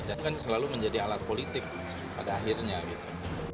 dan kan selalu menjadi alat politik pada akhirnya gitu